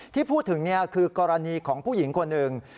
ที่พูดถึงคือกรณีของผู้หญิงคนหนึ่ง